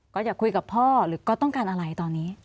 ก็อยากคุยกับพ่อหรือก็ต้องการอะไรตอนนี้